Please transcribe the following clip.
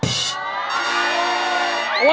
อะไร